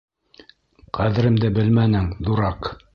Ҡәҙеремде белмәнең, дурак!